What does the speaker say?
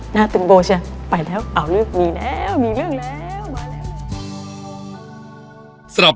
หน้าตึงโบเชียไปแล้วเอาเรื่องมีแล้วมีเรื่องแล้ว